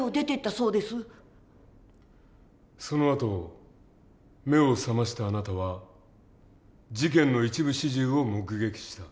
そのあと目を覚ましたあなたは事件の一部始終を目撃した。